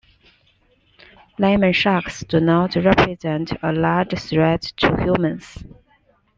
Lemon sharks do not represent a large threat to humans.